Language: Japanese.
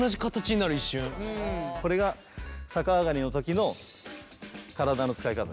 これが逆上がりの時の体の使い方です。